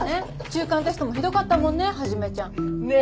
中間テストもひどかったもんねはじめちゃん。ね。ね。